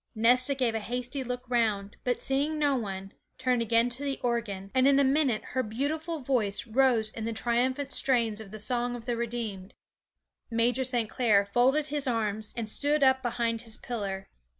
Nesta gave a hasty look round, but seeing no one, turned again to the organ, and in a minute her beautiful voice rose in the triumphant strains of the song of the redeemed. Major St. Clair folded his arms, and stood up behind his pillar.